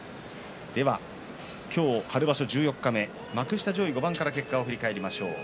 今日春場所十四日目幕下上位５番から結果を振り返ります。